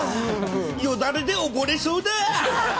よだれで溺れそうだ。